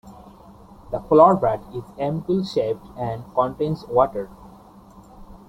The flower bud is ampule-shaped and contains water.